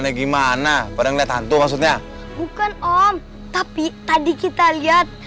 aneh gimana pada melihat hantu maksudnya bukan om tapi tadi kita lihat